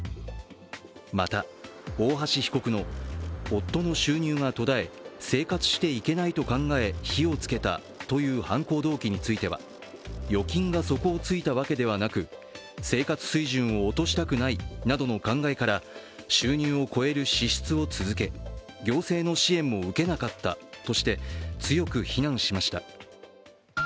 また大橋被告の夫の収入が途絶え生活していけないと考え火をつけたという犯行動機については預金が底をついたわけではなく生活水準を落としたくないなどの考えから収入を超える支出を続け、行政の支援も受けなかったとして強く非難しました。